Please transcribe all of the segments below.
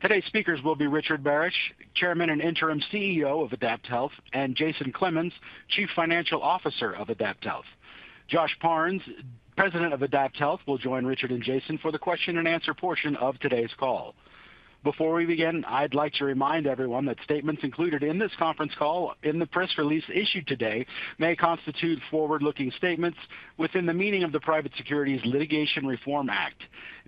Today's speakers will be Richard Barasch, Chairman and Interim CEO of AdaptHealth, and Jason Clemens, Chief Financial Officer of AdaptHealth. Josh Parnes, President of AdaptHealth, will join Richard and Jason for the question-and-answer portion of today's call. Before we begin, I'd like to remind everyone that statements included in this conference call, in the press release issued today, may constitute forward-looking statements within the meaning of the Private Securities Litigation Reform Act.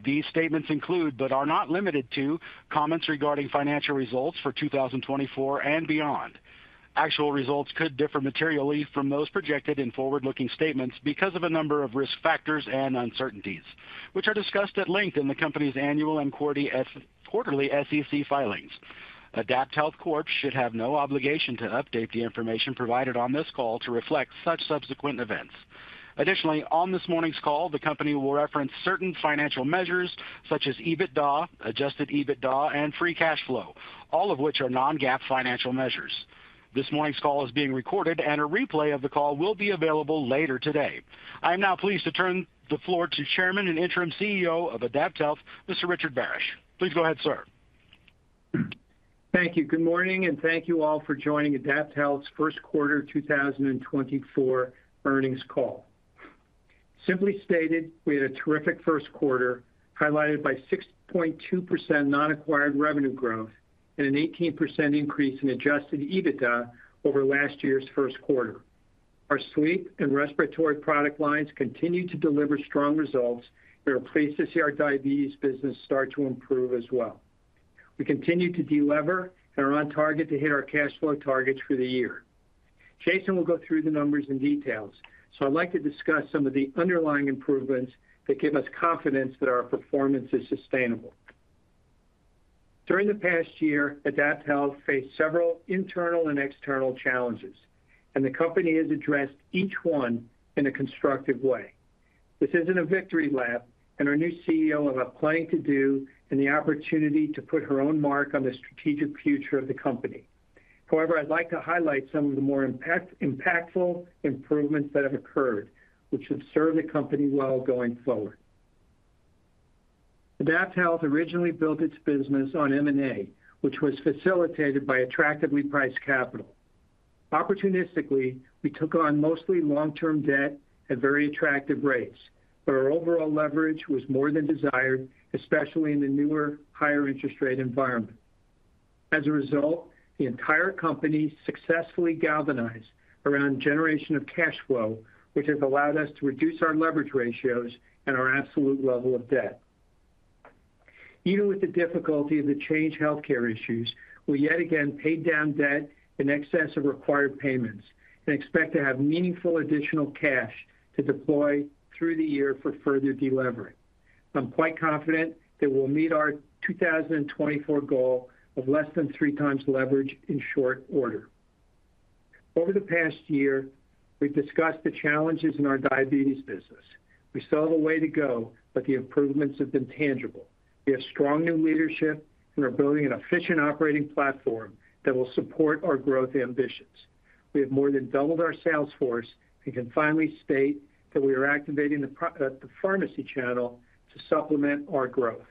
These statements include, but are not limited to, comments regarding financial results for 2024 and beyond. Actual results could differ materially from those projected in forward-looking statements because of a number of risk factors and uncertainties, which are discussed at length in the company's annual and quarterly SEC filings. AdaptHealth Corp should have no obligation to update the information provided on this call to reflect such subsequent events. Additionally, on this morning's call, the company will reference certain financial measures such as EBITDA, adjusted EBITDA, and free cash flow, all of which are non-GAAP financial measures. This morning's call is being recorded, and a replay of the call will be available later today. I am now pleased to turn the floor to Chairman and Interim CEO of AdaptHealth, Mr. Richard Barasch. Please go ahead, sir. Thank you. Good morning, and thank you all for joining AdaptHealth's first quarter 2024 earnings call. Simply stated, we had a terrific first quarter highlighted by 6.2% non-acquired revenue growth and an 18% increase in adjusted EBITDA over last year's first quarter. Our sleep and respiratory product lines continue to deliver strong results, and we're pleased to see our diabetes business start to improve as well. We continue to delever and are on target to hit our cash flow targets for the year. Jason will go through the numbers in detail, so I'd like to discuss some of the underlying improvements that give us confidence that our performance is sustainable. During the past year, AdaptHealth faced several internal and external challenges, and the company has addressed each one in a constructive way. This isn't a victory lap, and our new CEO has a plan to do and the opportunity to put her own mark on the strategic future of the company. However, I'd like to highlight some of the more impactful improvements that have occurred, which should serve the company well going forward. AdaptHealth originally built its business on M&A, which was facilitated by attractively priced capital. Opportunistically, we took on mostly long-term debt at very attractive rates, but our overall leverage was more than desired, especially in the newer, higher interest rate environment. As a result, the entire company successfully galvanized around generation of cash flow, which has allowed us to reduce our leverage ratios and our absolute level of debt. Even with the difficulty of the Change Healthcare issues, we yet again paid down debt in excess of required payments and expect to have meaningful additional cash to deploy through the year for further delevering. I'm quite confident that we'll meet our 2024 goal of less than 3x leverage in short order. Over the past year, we've discussed the challenges in our diabetes business. We saw the way to go, but the improvements have been tangible. We have strong new leadership, and we're building an efficient operating platform that will support our growth ambitions. We have more than doubled our sales force, and can finally state that we are activating the pharmacy channel to supplement our growth.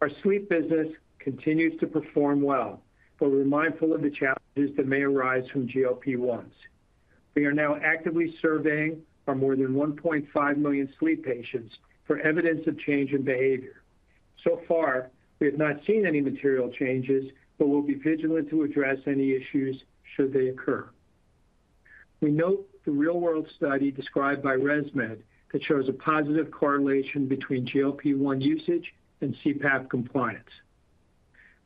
Our sleep business continues to perform well, but we're mindful of the challenges that may arise from GLP-1s. We are now actively surveying our more than 1.5 million sleep patients for evidence of change in behavior. So far, we have not seen any material changes, but we'll be vigilant to address any issues should they occur. We note the real-world study described by ResMed that shows a positive correlation between GLP-1 usage and CPAP compliance.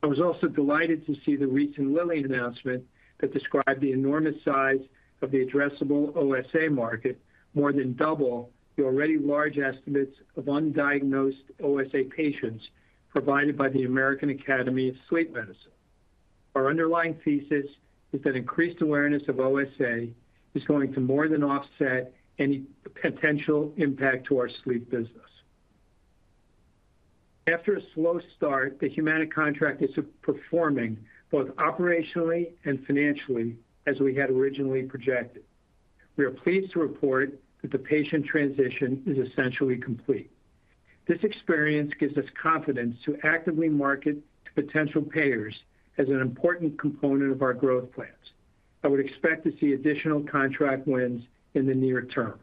I was also delighted to see the recent Lilly announcement that described the enormous size of the addressable OSA market more than double the already large estimates of undiagnosed OSA patients provided by the American Academy of Sleep Medicine. Our underlying thesis is that increased awareness of OSA is going to more than offset any potential impact to our sleep business. After a slow start, the Humana contract is performing both operationally and financially as we had originally projected. We are pleased to report that the patient transition is essentially complete. This experience gives us confidence to actively market to potential payers as an important component of our growth plans. I would expect to see additional contract wins in the near term.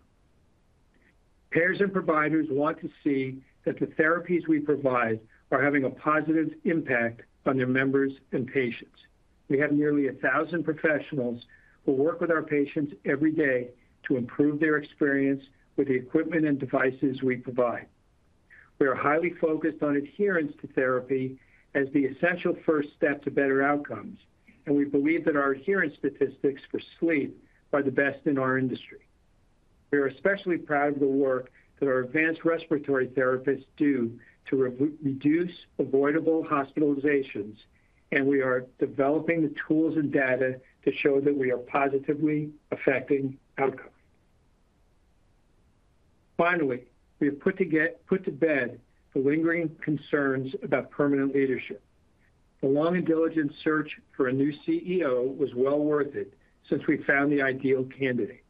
Payers and providers want to see that the therapies we provide are having a positive impact on their members and patients. We have nearly 1,000 professionals who work with our patients every day to improve their experience with the equipment and devices we provide. We are highly focused on adherence to therapy as the essential first step to better outcomes, and we believe that our adherence statistics for sleep are the best in our industry. We are especially proud of the work that our advanced respiratory therapists do to reduce avoidable hospitalizations, and we are developing the tools and data to show that we are positively affecting outcomes. Finally, we have put to bed the lingering concerns about permanent leadership. The long and diligent search for a new CEO was well worth it since we found the ideal candidate.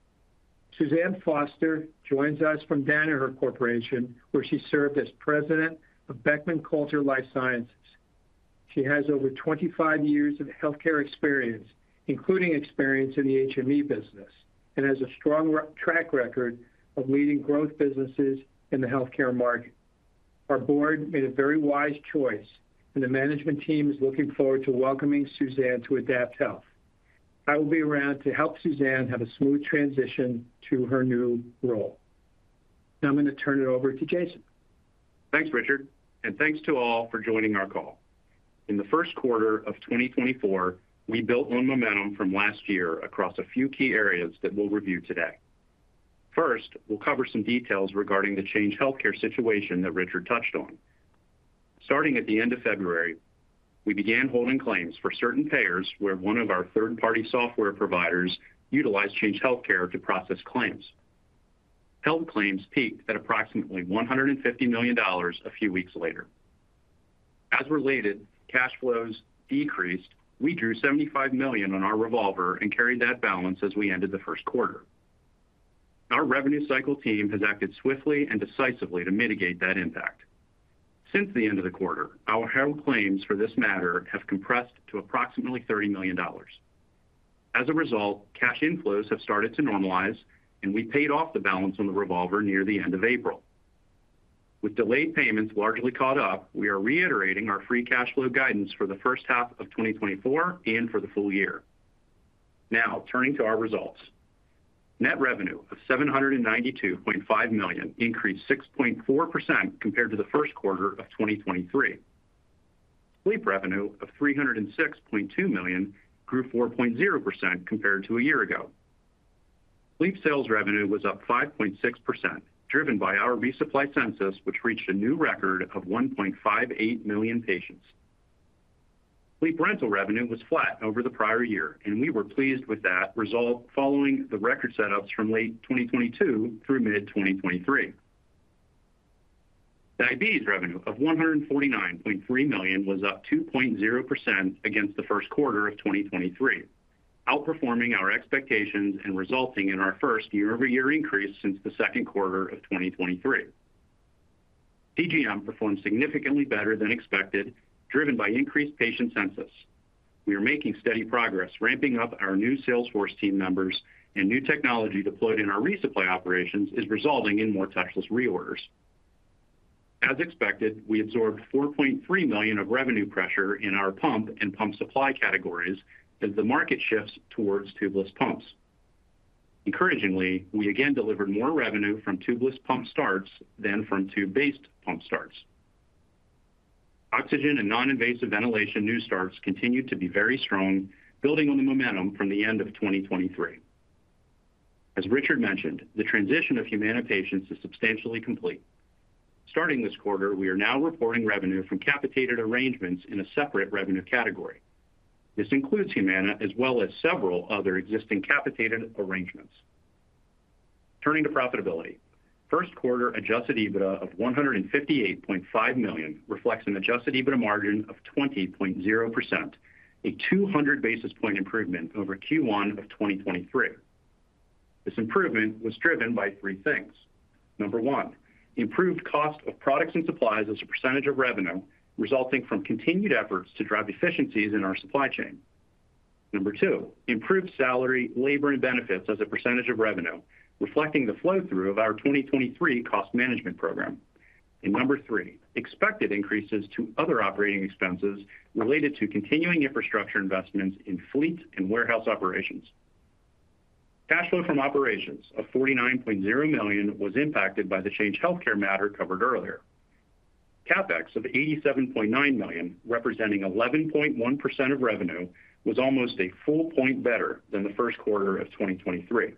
Suzanne Foster joins us from Danaher Corporation, where she served as President of Beckman Coulter Life Sciences. She has over 25 years of healthcare experience, including experience in the HME business, and has a strong track record of leading growth businesses in the healthcare market. Our board made a very wise choice, and the management team is looking forward to welcoming Suzanne to AdaptHealth. I will be around to help Suzanne have a smooth transition to her new role. Now I'm going to turn it over to Jason. Thanks, Richard, and thanks to all for joining our call. In the first quarter of 2024, we built on momentum from last year across a few key areas that we'll review today. First, we'll cover some details regarding the Change Healthcare situation that Richard touched on. Starting at the end of February, we began holding claims for certain payers where one of our third-party software providers utilized Change Healthcare to process claims. Held claims peaked at approximately $150 million a few weeks later. As a result, cash flows decreased. We drew $75 million on our revolver and carried that balance as we ended the first quarter. Our revenue cycle team has acted swiftly and decisively to mitigate that impact. Since the end of the quarter, our held claims for this matter have compressed to approximately $30 million. As a result, cash inflows have started to normalize, and we paid off the balance on the revolver near the end of April. With delayed payments largely caught up, we are reiterating our free cash flow guidance for the first half of 2024 and for the full year. Now, turning to our results. Net revenue of $792.5 million increased 6.4% compared to the first quarter of 2023. Sleep revenue of $306.2 million grew 4.0% compared to a year ago. Sleep sales revenue was up 5.6%, driven by our resupply census, which reached a new record of 1.58 million patients. Sleep rental revenue was flat over the prior year, and we were pleased with that result following the record setups from late 2022 through mid-2023. Diabetes revenue of $149.3 million was up 2.0% against the first quarter of 2023, outperforming our expectations and resulting in our first year-over-year increase since the second quarter of 2023. CGM performed significantly better than expected, driven by increased patient census. We are making steady progress. Ramping up our new sales force team members and new technology deployed in our resupply operations is resulting in more touchless reorders. As expected, we absorbed $4.3 million of revenue pressure in our pump and pump supply categories as the market shifts towards tubeless pumps. Encouragingly, we again delivered more revenue from tubeless pump starts than from tube-based pump starts. Oxygen and non-invasive ventilation new starts continue to be very strong, building on the momentum from the end of 2023. As Richard mentioned, the transition of Humana patients is substantially complete. Starting this quarter, we are now reporting revenue from capitated arrangements in a separate revenue category. This includes Humana as well as several other existing capitated arrangements. Turning to profitability. First quarter adjusted EBITDA of $158.5 million reflects an adjusted EBITDA margin of 20.0%, a 200 basis point improvement over Q1 of 2023. This improvement was driven by three things. Number one, improved cost of products and supplies as a percentage of revenue resulting from continued efforts to drive efficiencies in our supply chain. Number two, improved salary, labor, and benefits as a percentage of revenue reflecting the flow-through of our 2023 cost management program. And number three, expected increases to other operating expenses related to continuing infrastructure investments in fleet and warehouse operations. Cash flow from operations of $49.0 million was impacted by the Change Healthcare matter covered earlier. CapEx of $87.9 million, representing 11.1% of revenue, was almost a full point better than the first quarter of 2023.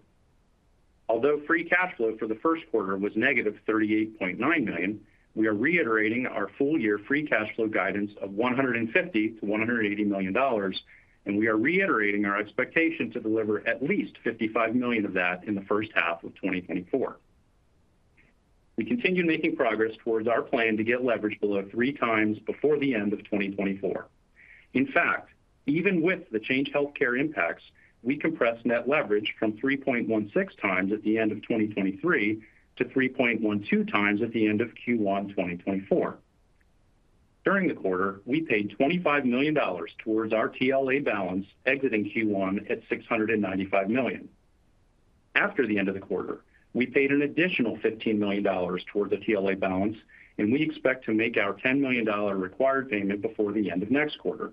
Although free cash flow for the first quarter was negative $38.9 million, we are reiterating our full-year free cash flow guidance of $150 million-$180 million, and we are reiterating our expectation to deliver at least $55 million of that in the first half of 2024. We continue making progress towards our plan to get leverage below 3x before the end of 2024. In fact, even with the Change Healthcare impacts, we compressed net leverage from 3.16x at the end of 2023 to 3.12x at the end of Q1 2024. During the quarter, we paid $25 million towards our TLA balance exiting Q1 at $695 million. After the end of the quarter, we paid an additional $15 million towards the TLA balance, and we expect to make our $10 million required payment before the end of next quarter.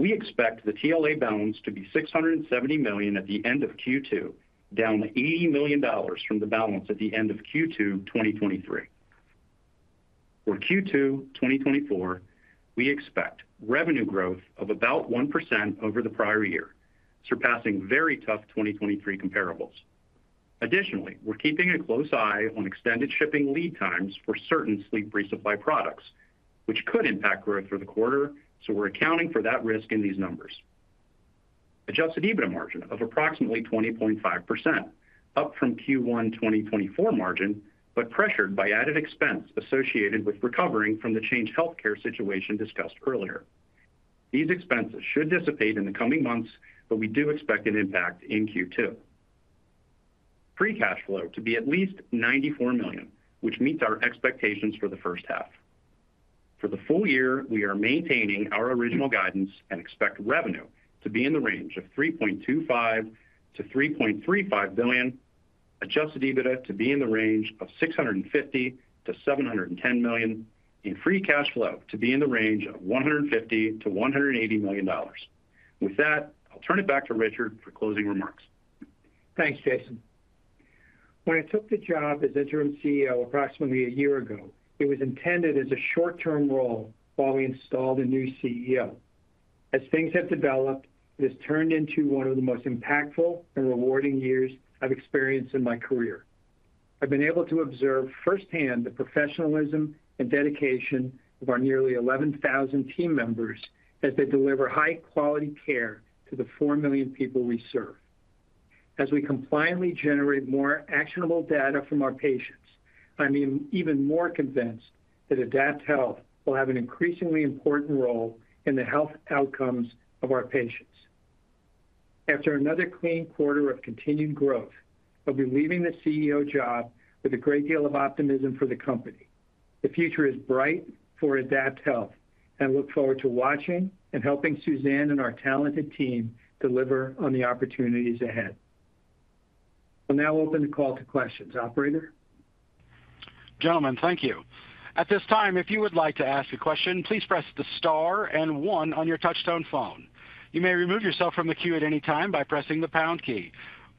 We expect the TLA balance to be $670 million at the end of Q2, down $80 million from the balance at the end of Q2 2023. For Q2 2024, we expect revenue growth of about 1% over the prior year, surpassing very tough 2023 comparables. Additionally, we're keeping a close eye on extended shipping lead times for certain sleep resupply products, which could impact growth for the quarter, so we're accounting for that risk in these numbers. Adjusted EBITDA margin of approximately 20.5%, up from Q1 2024 margin but pressured by added expense associated with recovering from the Change Healthcare situation discussed earlier. These expenses should dissipate in the coming months, but we do expect an impact in Q2. Free cash flow to be at least $94 million, which meets our expectations for the first half. For the full year, we are maintaining our original guidance and expect revenue to be in the range of $3.25-$3.35 billion, adjusted EBITDA to be in the range of $650 million-$710 million, and free cash flow to be in the range of $150 million-$180 million. With that, I'll turn it back to Richard for closing remarks. Thanks, Jason. When I took the job as interim CEO approximately a year ago, it was intended as a short-term role while we installed a new CEO. As things have developed, it has turned into one of the most impactful and rewarding years I've experienced in my career. I've been able to observe firsthand the professionalism and dedication of our nearly 11,000 team members as they deliver high-quality care to the 4 million people we serve. As we compliantly generate more actionable data from our patients, I'm even more convinced that AdaptHealth will have an increasingly important role in the health outcomes of our patients. After another clean quarter of continued growth, I'll be leaving the CEO job with a great deal of optimism for the company. The future is bright for AdaptHealth, and I look forward to watching and helping Suzanne and our talented team deliver on the opportunities ahead. I'll now open the call to questions. Operator? Gentlemen, thank you. At this time, if you would like to ask a question, please press the star and one on your touch-tone phone. You may remove yourself from the queue at any time by pressing the pound key.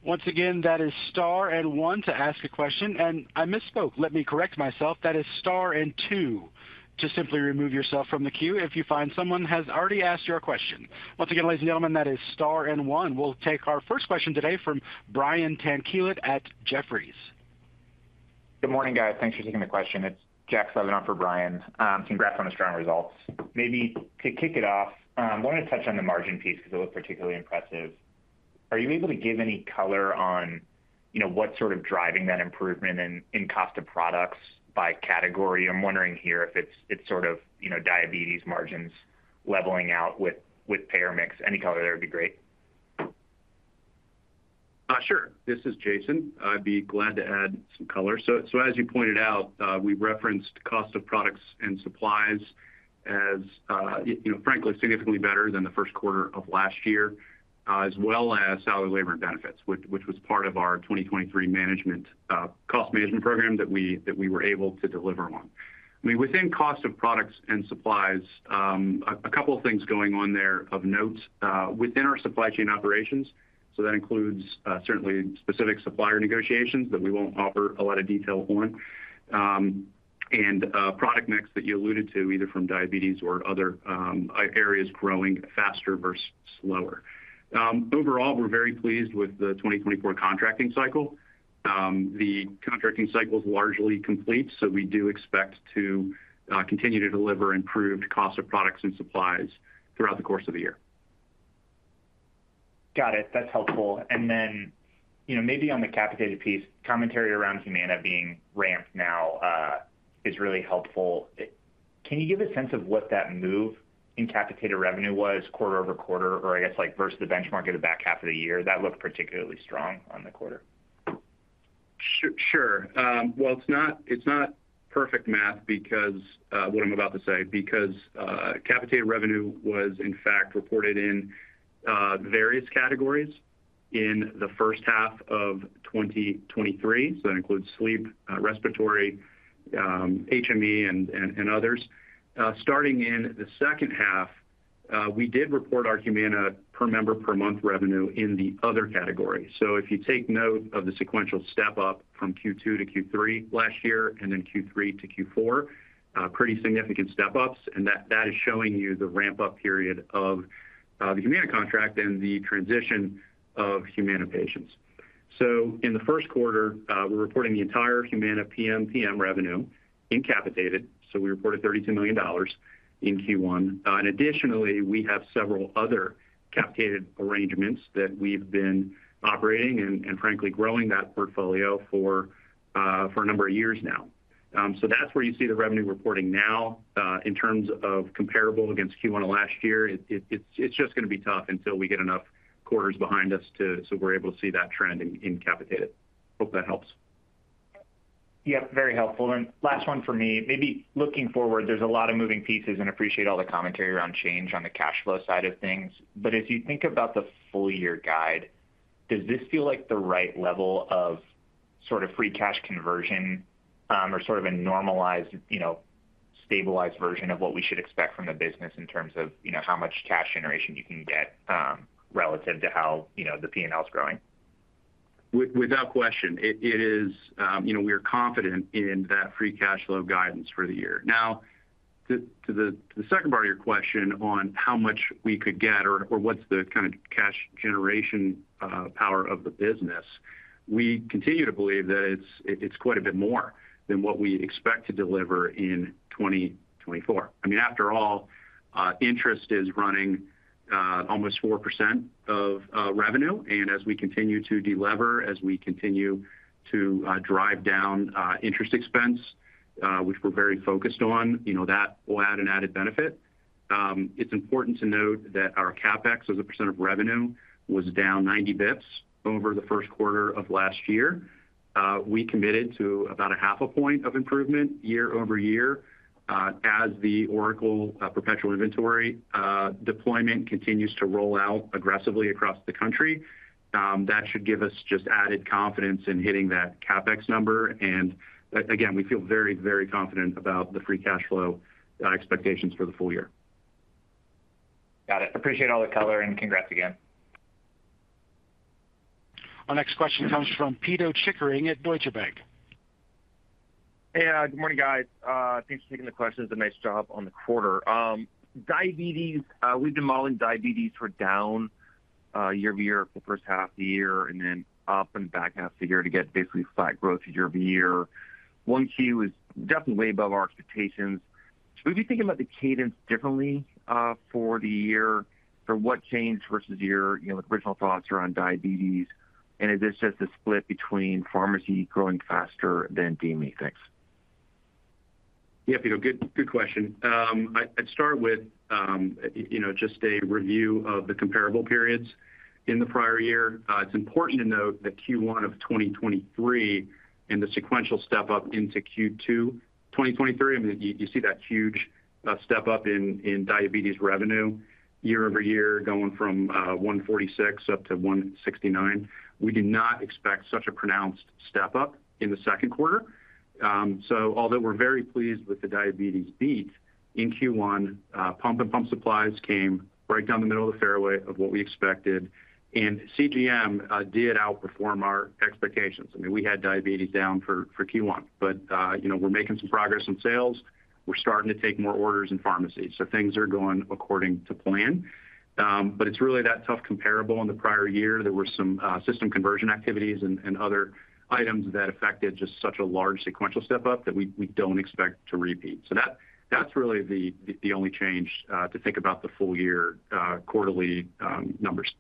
Once again, that is star and one to ask a question. And I misspoke. Let me correct myself. That is star and two to simply remove yourself from the queue if you find someone has already asked your question. Once again, ladies and gentlemen, that is star and one. We'll take our first question today from Brian Tanquilut at Jefferies. Good morning, guys. Thanks for taking the question. It's Jack Slevin for Brian. Congrats on the strong results. Maybe to kick it off, I wanted to touch on the margin piece because it looked particularly impressive. Are you able to give any color on what's sort of driving that improvement in cost of products by category? I'm wondering here if it's sort of diabetes margins leveling out with payer mix. Any color there would be great. Sure. This is Jason. I'd be glad to add some color. So as you pointed out, we referenced cost of products and supplies as, frankly, significantly better than the first quarter of last year, as well as salary, labor, and benefits, which was part of our 2023 cost management program that we were able to deliver on. I mean, within cost of products and supplies, a couple of things going on there of note. Within our supply chain operations, so that includes certainly specific supplier negotiations that we won't offer a lot of detail on, and product mix that you alluded to, either from diabetes or other areas growing faster versus slower. Overall, we're very pleased with the 2024 contracting cycle. The contracting cycle is largely complete, so we do expect to continue to deliver improved cost of products and supplies throughout the course of the year. Got it. That's helpful. Then maybe on the capitated piece, commentary around Humana being ramped now is really helpful. Can you give a sense of what that move in capitated revenue was quarter-over-quarter, or I guess versus the benchmark at the back half of the year? That looked particularly strong on the quarter. Sure. Well, it's not perfect math because what I'm about to say, because capitated revenue was, in fact, reported in various categories in the first half of 2023. So that includes sleep, respiratory, HME, and others. Starting in the second half, we did report our Humana per member per month revenue in the other category. So if you take note of the sequential step-up from Q2 to Q3 last year and then Q3 to Q4, pretty significant step-ups. And that is showing you the ramp-up period of the Humana contract and the transition of Humana patients. So in the first quarter, we're reporting the entire Humana PMPM revenue in capitated. So we reported $32 million in Q1. And additionally, we have several other capitated arrangements that we've been operating and, frankly, growing that portfolio for a number of years now. So that's where you see the revenue reporting now in terms of comparable against Q1 of last year. It's just going to be tough until we get enough quarters behind us so we're able to see that trend in capitated. Hope that helps. Yep, very helpful. Last one for me. Maybe looking forward, there's a lot of moving pieces, and I appreciate all the commentary around change on the cash flow side of things. As you think about the full-year guide, does this feel like the right level of sort of free cash conversion or sort of a normalized, stabilized version of what we should expect from the business in terms of how much cash generation you can get relative to how the P&L is growing? Without question. We are confident in that free cash flow guidance for the year. Now, to the second part of your question on how much we could get or what's the kind of cash generation power of the business, we continue to believe that it's quite a bit more than what we expect to deliver in 2024. I mean, after all, interest is running almost 4% of revenue. And as we continue to deliver, as we continue to drive down interest expense, which we're very focused on, that will add an added benefit. It's important to note that our CapEx as a percent of revenue was down 90 bps over the first quarter of last year. We committed to about a half a point of improvement year-over-year as the Oracle perpetual inventory deployment continues to roll out aggressively across the country. That should give us just added confidence in hitting that CapEx number. And again, we feel very, very confident about the free cash flow expectations for the full year. Got it. Appreciate all the color, and congrats again. Our next question comes from Pito Chickering at Deutsche Bank. Hey. Good morning, guys. Thanks for taking the questions. A nice job on the quarter. We've been modeling diabetes for down year-over-year for the first half of the year and then up in the back half of the year to get basically flat growth year-over-year. 1Q is definitely way above our expectations. Should we be thinking about the cadence differently for the year? So what changed versus your original thoughts around diabetes? And is this just a split between pharmacy growing faster than DME? Thanks. Yeah, Pito. Good question. I'd start with just a review of the comparable periods in the prior year. It's important to note that Q1 of 2023 and the sequential step-up into Q2 2023, I mean, you see that huge step-up in diabetes revenue year-over-year going from $146 up to $169. We do not expect such a pronounced step-up in the second quarter. So although we're very pleased with the diabetes beat, in Q1, pump-and-pump supplies came right down the middle of the fairway of what we expected. And CGM did outperform our expectations. I mean, we had diabetes down for Q1, but we're making some progress in sales. We're starting to take more orders in pharmacies. So things are going according to plan. It's really that tough comparable in the prior year that were some system conversion activities and other items that affected just such a large sequential step-up that we don't expect to repeat. That's really the only change to think about the full-year quarterly numbers.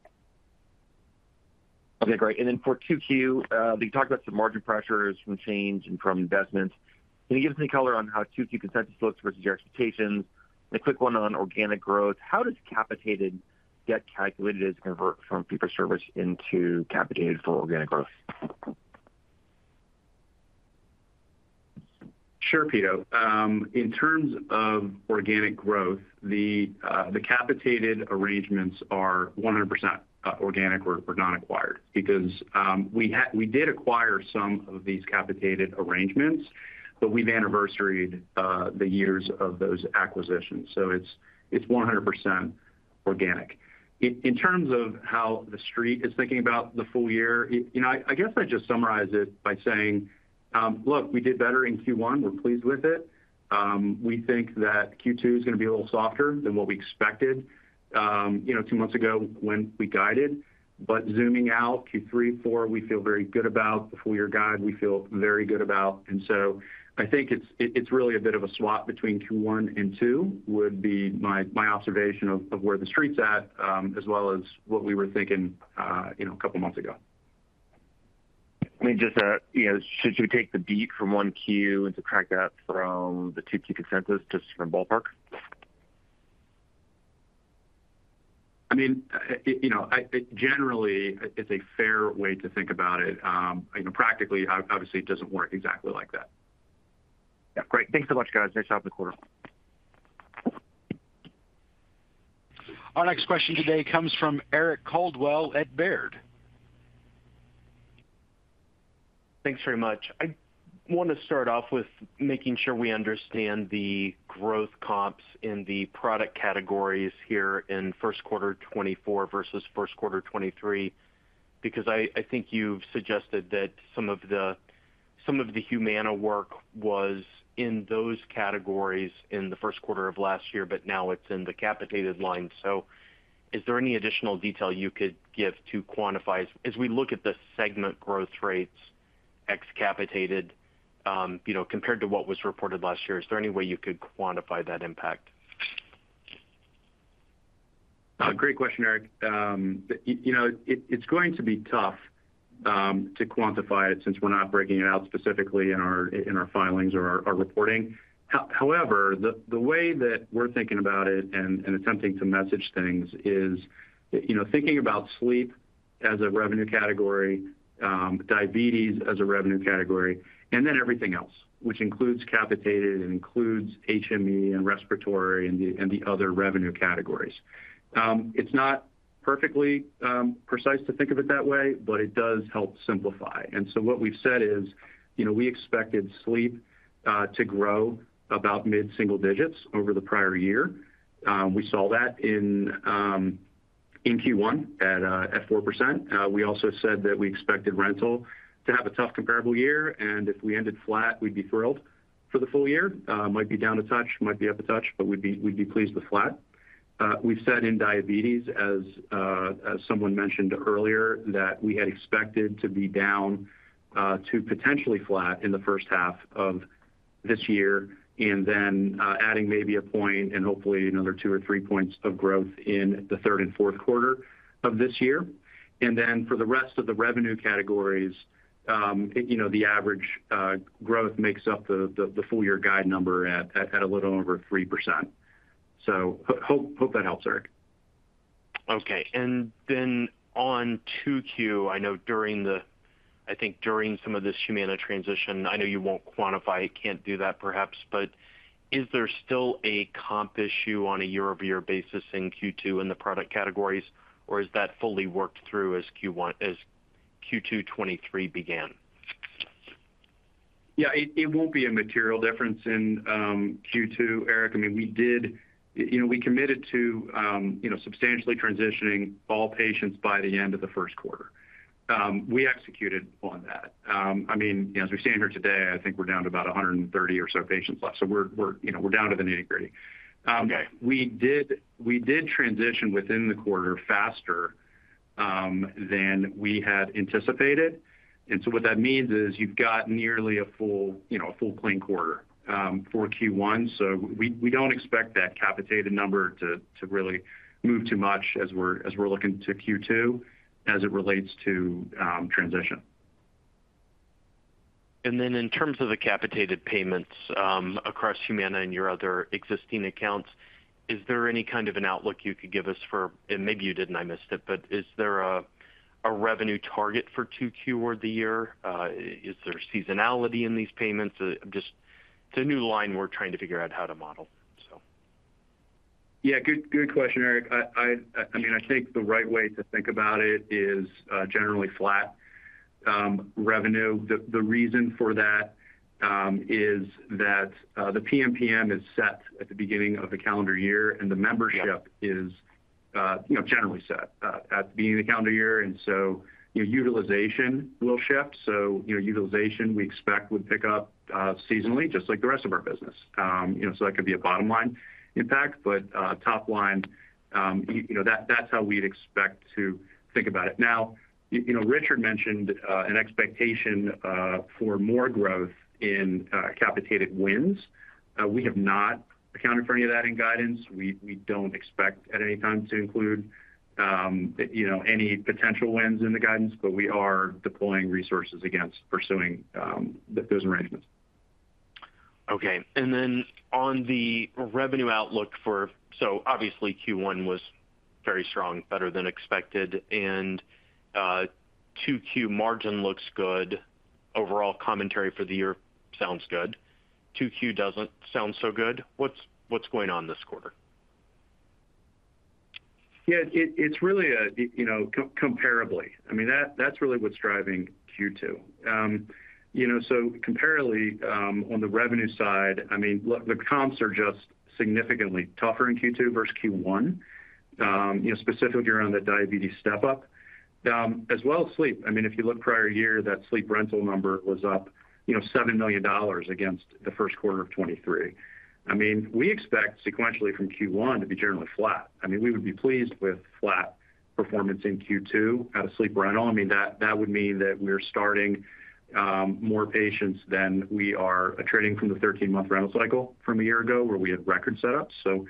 Okay. Great. And then for 2Q, you talked about some margin pressures from Change and from investments. Can you give us any color on how 2Q consensus looks versus your expectations? And a quick one on organic growth. How does capitated get calculated as convert from fee-for-service into capitated for organic growth? Sure, Pito. In terms of organic growth, the capitated arrangements are 100% organic or non-acquired because we did acquire some of these capitated arrangements, but we've anniversaried the years of those acquisitions. So it's 100% organic. In terms of how the street is thinking about the full year, I guess I'd just summarize it by saying, "Look, we did better in Q1. We're pleased with it. We think that Q2 is going to be a little softer than what we expected two months ago when we guided. But zooming out, Q3, 4, we feel very good about. The full-year guide, we feel very good about." And so I think it's really a bit of a swap between Q1 and 2 would be my observation of where the street's at as well as what we were thinking a couple of months ago. I mean, should we take the beat from 1Q and subtract that from the 2Q consensus just for a ballpark? I mean, generally, it's a fair way to think about it. Practically, obviously, it doesn't work exactly like that. Yeah. Great. Thanks so much, guys. Nice job in the quarter. Our next question today comes from Eric Coldwell at Baird. Thanks very much. I want to start off with making sure we understand the growth comps in the product categories here in first quarter 2024 versus first quarter 2023 because I think you've suggested that some of the Humana work was in those categories in the first quarter of last year, but now it's in the capitated line. So is there any additional detail you could give to quantify as we look at the segment growth rates ex-capitated compared to what was reported last year, is there any way you could quantify that impact? Great question, Eric. It's going to be tough to quantify it since we're not breaking it out specifically in our filings or our reporting. However, the way that we're thinking about it and attempting to message things is thinking about sleep as a revenue category, diabetes as a revenue category, and then everything else, which includes capitated and includes HME and respiratory and the other revenue categories. It's not perfectly precise to think of it that way, but it does help simplify. And so what we've said is we expected sleep to grow about mid-single digits over the prior year. We saw that in Q1 at 4%. We also said that we expected rental to have a tough comparable year. And if we ended flat, we'd be thrilled for the full year. Might be down a touch, might be up a touch, but we'd be pleased with flat. We've said in diabetes, as someone mentioned earlier, that we had expected to be down to potentially flat in the first half of this year and then adding maybe a point and hopefully another two or three points of growth in the third and fourth quarter of this year. And then for the rest of the revenue categories, the average growth makes up the full-year guide number at a little over 3%. So hope that helps, Eric. Okay. And then on 2Q, I know I think during some of this Humana transition, I know you won't quantify it, can't do that perhaps, but is there still a comp issue on a year-over-year basis in Q2 in the product categories, or is that fully worked through as Q2 2023 began? Yeah. It won't be a material difference in Q2, Eric. I mean, we committed to substantially transitioning all patients by the end of the first quarter. We executed on that. I mean, as we're standing here today, I think we're down to about 130 or so patients left. So we're down to the nitty-gritty. We did transition within the quarter faster than we had anticipated. And so what that means is you've got nearly a full clean quarter for Q1. So we don't expect that capitated number to really move too much as we're looking to Q2 as it relates to transition. Then, in terms of the capitated payments across Humana and your other existing accounts, is there any kind of an outlook you could give us for, and maybe you didn't. I missed it. But is there a revenue target for 2Q or the year? Is there seasonality in these payments? It's a new line we're trying to figure out how to model, so. Yeah. Good question, Eric. I mean, I think the right way to think about it is generally flat revenue. The reason for that is that the PMPM is set at the beginning of the calendar year, and the membership is generally set at the beginning of the calendar year. And so utilization will shift. So utilization, we expect, would pick up seasonally just like the rest of our business. So that could be a bottom-line impact, but top-line, that's how we'd expect to think about it. Now, Richard mentioned an expectation for more growth in capitated wins. We have not accounted for any of that in guidance. We don't expect at any time to include any potential wins in the guidance, but we are deploying resources against pursuing those arrangements. Okay. Then on the revenue outlook, so obviously, Q1 was very strong, better than expected. And 2Q margin looks good. Overall commentary for the year sounds good. 2Q doesn't sound so good. What's going on this quarter? Yeah. It's really comparable. I mean, that's really what's driving Q2. So comparatively, on the revenue side, I mean, look, the comps are just significantly tougher in Q2 versus Q1, specifically around the diabetes step-up, as well as sleep. I mean, if you look prior year, that sleep rental number was up $7 million against the first quarter of 2023. I mean, we expect sequentially from Q1 to be generally flat. I mean, we would be pleased with flat performance in Q2 out of sleep rental. I mean, that would mean that we're starting more patients than we are trading from the 13-month rental cycle from a year ago where we had record setups. So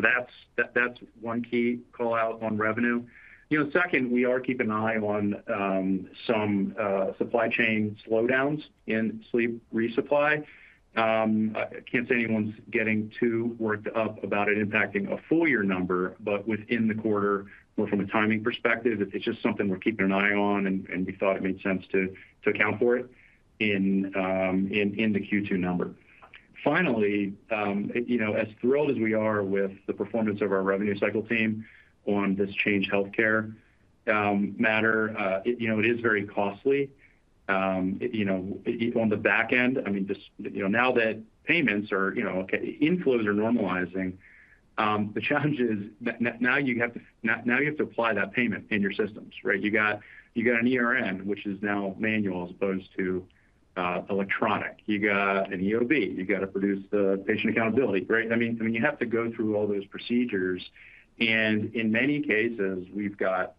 that's one key callout on revenue. Second, we are keeping an eye on some supply chain slowdowns in sleep resupply. I can't say anyone's getting too worked up about it impacting a full-year number, but within the quarter, more from a timing perspective, it's just something we're keeping an eye on and we thought it made sense to account for it in the Q2 number. Finally, as thrilled as we are with the performance of our revenue cycle team on this Change Healthcare matter, it is very costly on the back end. I mean, now that payments are okay, inflows are normalizing, the challenge is now you have to apply that payment in your systems, right? You've got an ERN, which is now manual as opposed to electronic. You've got an EOB. You've got to produce the patient accountability, right? I mean, you have to go through all those procedures. In many cases, we've got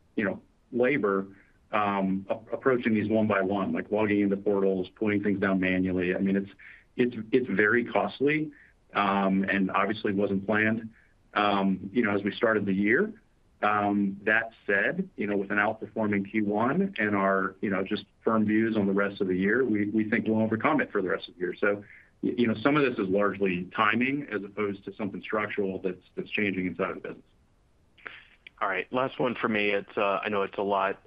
labor approaching these one by one, like logging into portals, pulling things down manually. I mean, it's very costly and obviously wasn't planned as we started the year. That said, with an outperforming Q1 and our just firm views on the rest of the year, we think we'll overcome it for the rest of the year. Some of this is largely timing as opposed to something structural that's changing inside of the business. All right. Last one for me. I know it's a lot.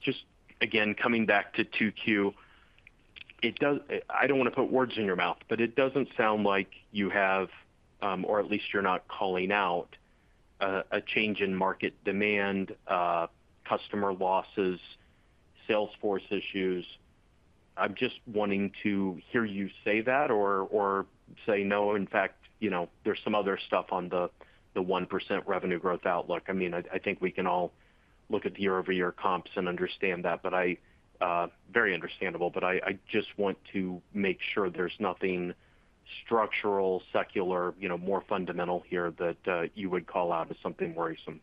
Just again, coming back to 2Q, I don't want to put words in your mouth, but it doesn't sound like you have or at least you're not calling out a change in market demand, customer losses, Salesforce issues. I'm just wanting to hear you say that or say, "No. In fact, there's some other stuff on the 1% revenue growth outlook." I mean, I think we can all look at the year-over-year comps and understand that, but very understandable. But I just want to make sure there's nothing structural, secular, more fundamental here that you would call out as something worrisome.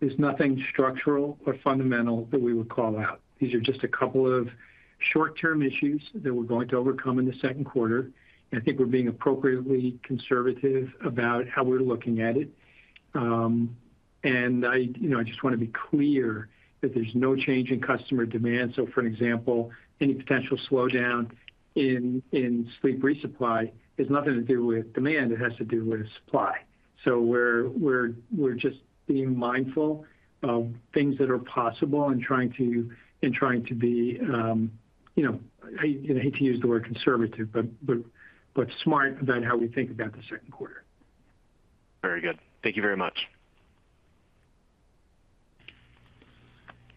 There's nothing structural or fundamental that we would call out. These are just a couple of short-term issues that we're going to overcome in the second quarter. I think we're being appropriately conservative about how we're looking at it. I just want to be clear that there's no change in customer demand. So for an example, any potential slowdown in sleep resupply has nothing to do with demand. It has to do with supply. So we're just being mindful of things that are possible and trying to be. I hate to use the word conservative, but smart about how we think about the second quarter. Very good. Thank you very much.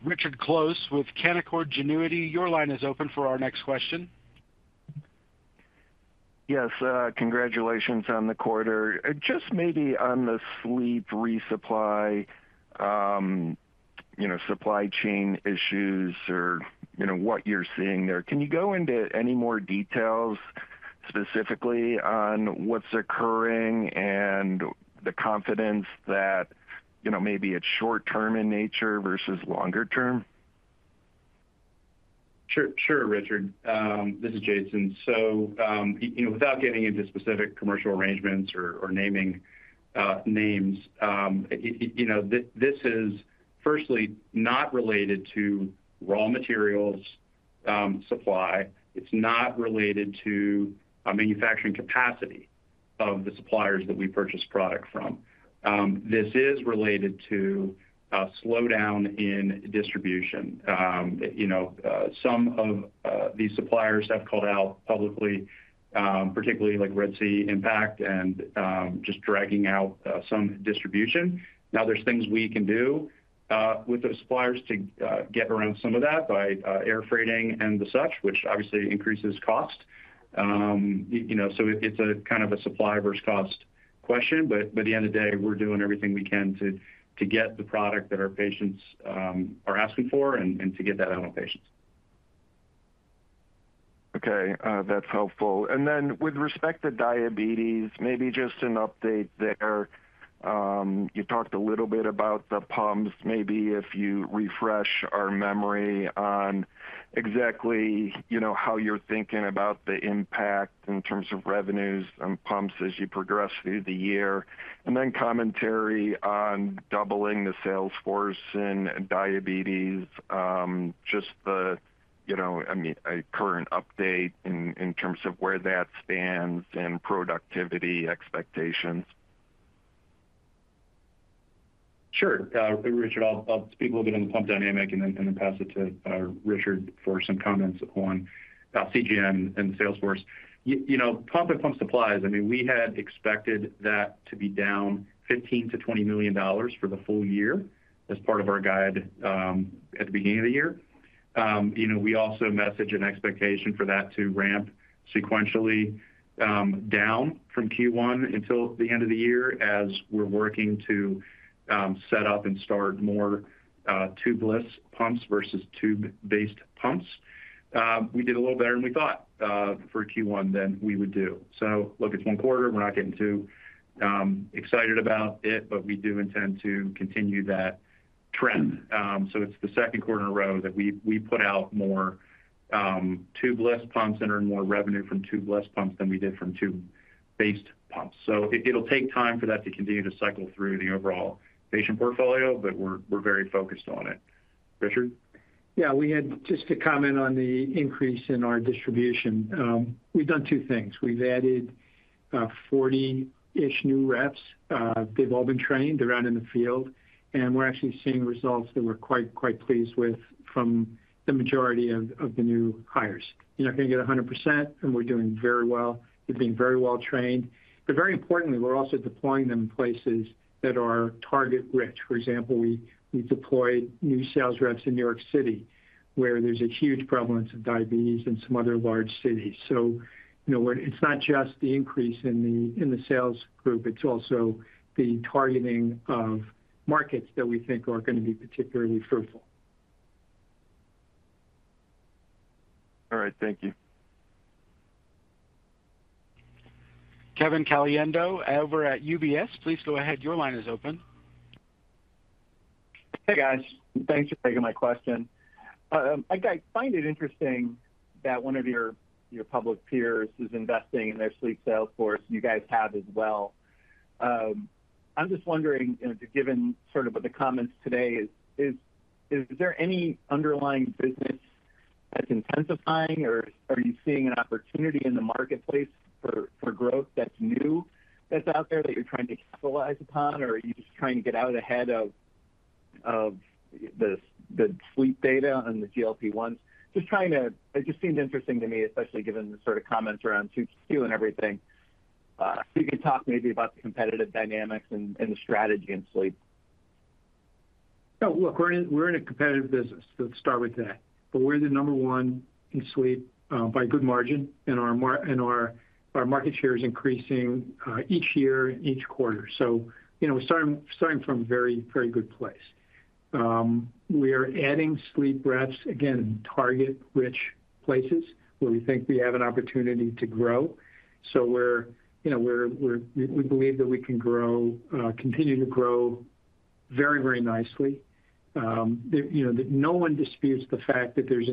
Richard Close with Canaccord Genuity. Your line is open for our next question. Yes. Congratulations on the quarter. Just maybe on the sleep resupply, supply chain issues, or what you're seeing there, can you go into any more details specifically on what's occurring and the confidence that maybe it's short-term in nature versus longer-term? Sure, Richard. This is Jason. So without getting into specific commercial arrangements or naming names, this is, firstly, not related to raw materials supply. It's not related to manufacturing capacity of the suppliers that we purchase product from. This is related to a slowdown in distribution. Some of these suppliers have called out publicly, particularly Red Sea impact, and just dragging out some distribution. Now, there's things we can do with those suppliers to get around some of that by air freighting and the such, which obviously increases cost. So it's kind of a supply versus cost question. But at the end of the day, we're doing everything we can to get the product that our patients are asking for and to get that out to patients. Okay. That's helpful. And then with respect to diabetes, maybe just an update there. You talked a little bit about the pumps. Maybe if you refresh our memory on exactly how you're thinking about the impact in terms of revenues and pumps as you progress through the year. And then commentary on doubling the sales force in diabetes, just the, I mean, a current update in terms of where that stands and productivity expectations. Sure, Richard. I'll speak a little bit on the pump dynamic and then pass it to Richard for some comments on CGM and the sales force. Pump and pump supplies, I mean, we had expected that to be down $15 million-$20 million for the full year as part of our guide at the beginning of the year. We also message an expectation for that to ramp sequentially down from Q1 until the end of the year as we're working to set up and start more tubeless pumps versus tube-based pumps. We did a little better than we thought for Q1 than we would do. So look, it's one quarter. We're not getting too excited about it, but we do intend to continue that trend. So it's the second quarter in a row that we put out more tubeless pumps and earn more revenue from tubeless pumps than we did from tube-based pumps. So it'll take time for that to continue to cycle through the overall patient portfolio, but we're very focused on it. Richard? Yeah. We had just to comment on the increase in our distribution. We've done two things. We've added 40-ish new reps. They've all been trained. They're out in the field. And we're actually seeing results that we're quite, quite pleased with from the majority of the new hires. You're not going to get 100%, and we're doing very well. They're being very well trained. But very importantly, we're also deploying them in places that are target-rich. For example, we deployed new sales reps in New York City where there's a huge prevalence of diabetes in some other large cities. So it's not just the increase in the sales group. It's also the targeting of markets that we think are going to be particularly fruitful. All right. Thank you. Kevin Caliendo over at UBS. Please go ahead. Your line is open. Hey, guys. Thanks for taking my question. I find it interesting that one of your public peers is investing in their sleep sales force. You guys have as well. I'm just wondering, given sort of the comments today, is there any underlying business that's intensifying, or are you seeing an opportunity in the marketplace for growth that's new that's out there that you're trying to capitalize upon, or are you just trying to get out ahead of the sleep data and the GLP-1s? It just seemed interesting to me, especially given the sort of comments around 2Q and everything. If you could talk maybe about the competitive dynamics and the strategy in sleep. Oh, look, we're in a competitive business, let's start with that. But we're the number one in sleep by good margin, and our market share is increasing each year, each quarter. So we're starting from a very, very good place. We are adding sleep reps, again, in target-rich places where we think we have an opportunity to grow. So we believe that we can grow, continue to grow very, very nicely. No one disputes the fact that there's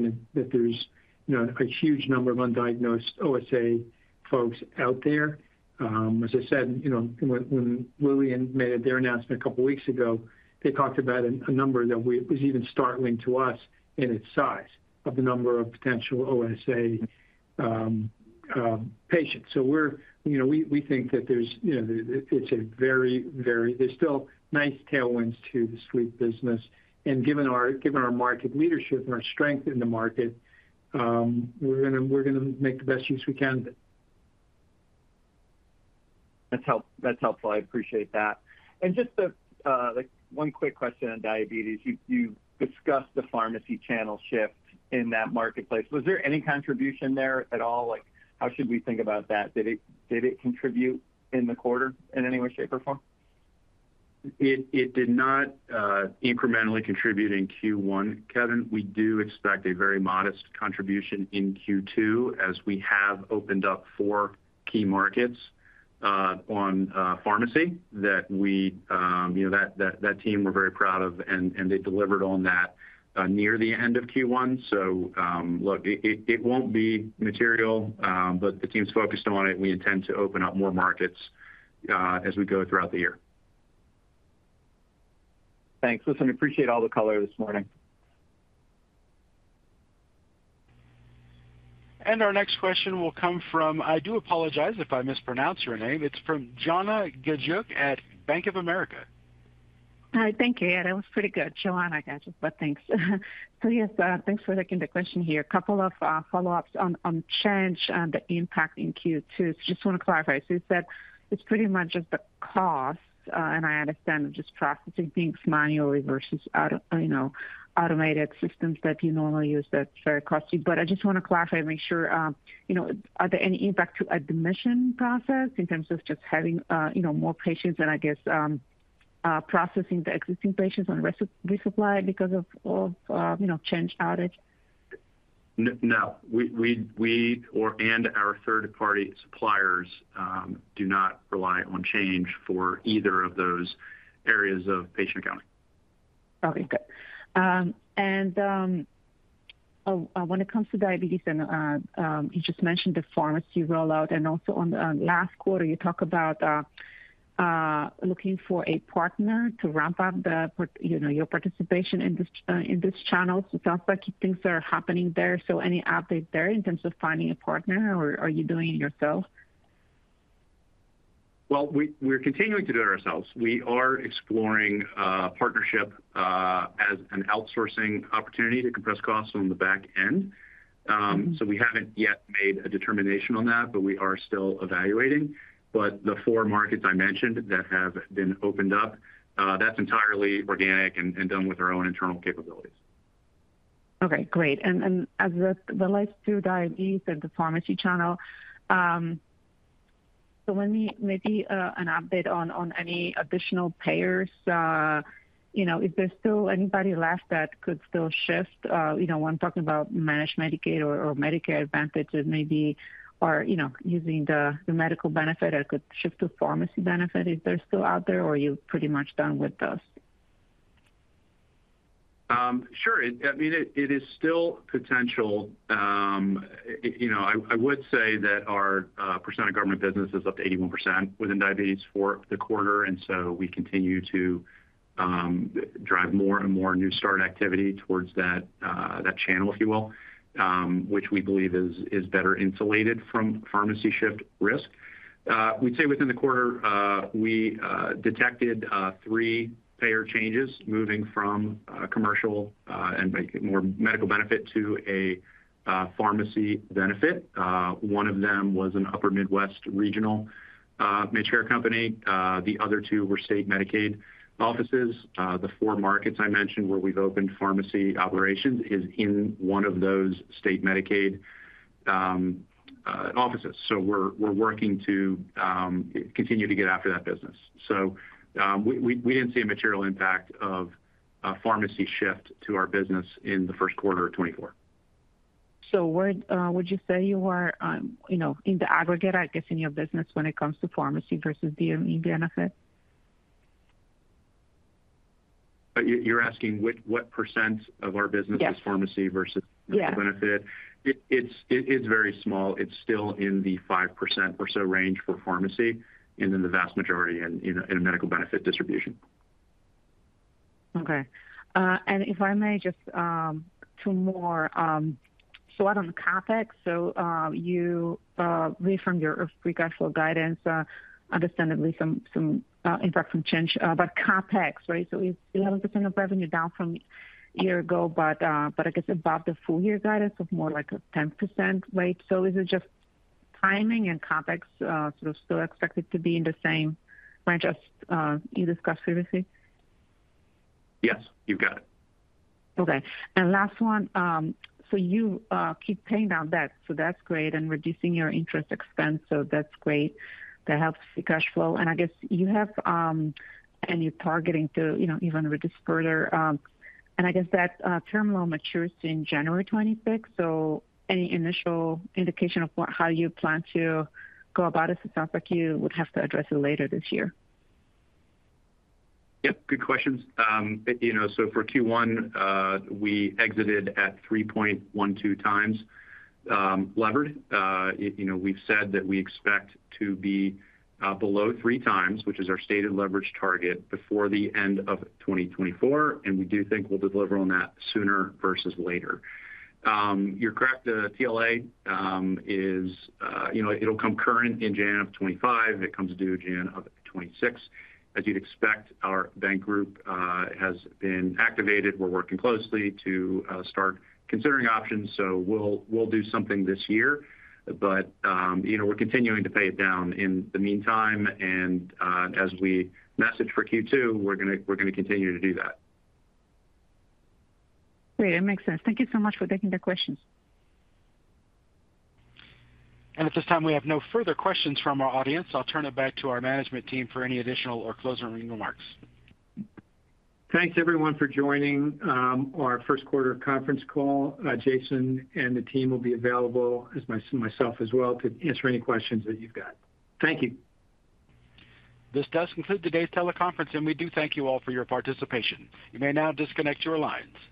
a huge number of undiagnosed OSA folks out there. As I said, when Lilly made their announcement a couple of weeks ago, they talked about a number that was even startling to us in its size of the number of potential OSA patients. So we think that it's a very, very. There's still nice tailwinds to the sleep business. Given our market leadership and our strength in the market, we're going to make the best use we can of it. That's helpful. I appreciate that. Just one quick question on diabetes. You discussed the pharmacy channel shift in that marketplace. Was there any contribution there at all? How should we think about that? Did it contribute in the quarter in any way, shape, or form? It did not incrementally contribute in Q1, Kevin. We do expect a very modest contribution in Q2 as we have opened up 4 key markets on pharmacy that we, that team, we're very proud of, and they delivered on that near the end of Q1. So look, it won't be material, but the team's focused on it. We intend to open up more markets as we go throughout the year. Thanks. Listen, I appreciate all the color this morning. Our next question will come from, I do apologize if I mispronounce your name. It's from Joanna Gajuk at Bank of America. Hi. Thank you, Ed. It was pretty good. Joanna Gajuk. But thanks. So yes, thanks for taking the question here. A couple of follow-ups on Change and the impact in Q2. So just want to clarify. So you said it's pretty much just the cost, and I understand just processing things manually versus automated systems that you normally use that's very costly. But I just want to clarify and make sure, are there any impact to admission process in terms of just having more patients and, I guess, processing the existing patients on resupply because of Change outage? No. We and our third-party suppliers do not rely on Change for either of those areas of patient accounting. Okay. Good. And when it comes to diabetes, and you just mentioned the pharmacy rollout, and also on the last quarter, you talk about looking for a partner to ramp up your participation in these channels. It sounds like things are happening there. So any update there in terms of finding a partner, or are you doing it yourself? Well, we're continuing to do it ourselves. We are exploring a partnership as an outsourcing opportunity to compress costs on the back end. We haven't yet made a determination on that, but we are still evaluating. The four markets I mentioned that have been opened up, that's entirely organic and done with our own internal capabilities. Okay. Great. And as it relates to diabetes and the pharmacy channel, so maybe an update on any additional payers. Is there still anybody left that could still shift? When talking about managed Medicaid or Medicare Advantage maybe or using the medical benefit that could shift to pharmacy benefit, is there still out there, or are you pretty much done with those? Sure. I mean, it is still potential. I would say that our percent of government business is up to 81% within diabetes for the quarter. And so we continue to drive more and more new start activity towards that channel, if you will, which we believe is better insulated from pharmacy shift risk. We'd say within the quarter, we detected three payer changes moving from commercial and more medical benefit to a pharmacy benefit. One of them was an Upper Midwest regional Medicare company. The other two were state Medicaid offices. The four markets I mentioned where we've opened pharmacy operations is in one of those state Medicaid offices. So we're working to continue to get after that business. So we didn't see a material impact of pharmacy shift to our business in the first quarter of 2024. So would you say you are in the aggregate, I guess, in your business when it comes to pharmacy versus DME benefit? You're asking what percent of our business is pharmacy versus medical benefit? Yeah. It's very small. It's still in the 5% or so range for pharmacy and then the vast majority in a medical benefit distribution. Okay. And if I may, just two more. So what on CapEx? So you reaffirm your free cash flow guidance, understandably, some impact from Change. But CapEx, right? So it's 11% of revenue down from a year ago, but I guess above the full-year guidance of more like a 10% rate. So is it just timing and CapEx sort of still expected to be in the same range as you discussed previously? Yes. You've got it. Okay. Last one. You keep paying down debt. That's great. Reducing your interest expense, that's great. That helps the cash flow. I guess you have and you're targeting to even reduce further. I guess that term loan matures in January 2026. Any initial indication of how you plan to go about it? It sounds like you would have to address it later this year. Yep. Good questions. So for Q1, we exited at 3.12x levered. We've said that we expect to be below 3x, which is our stated leverage target, before the end of 2024. And we do think we'll deliver on that sooner versus later. You're correct. The TLA is it'll come current in January of 2025. It comes due in January of 2026. As you'd expect, our bank group has been activated. We're working closely to start considering options. So we'll do something this year. But we're continuing to pay it down in the meantime. And as we message for Q2, we're going to continue to do that. Great. That makes sense. Thank you so much for taking the questions. At this time, we have no further questions from our audience. I'll turn it back to our management team for any additional or closing remarks. Thanks, everyone, for joining our first quarter conference call. Jason and the team will be available, as myself as well, to answer any questions that you've got. Thank you. This does conclude today's teleconference, and we do thank you all for your participation. You may now disconnect your lines.